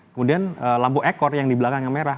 kemudian lampu ekor yang di belakang yang merah